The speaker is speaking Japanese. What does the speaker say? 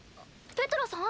ペトラさん！